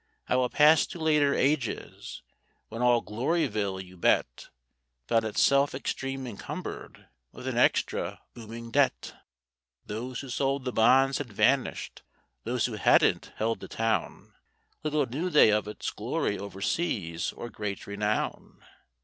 I will pass to later ages, when all Gloryville, you bet, Found itself extreme encumbered with an extra booming debt. Those who sold the bonds had vanished, those who hadn't held the town, Little knew they of its glory over seas or great renown.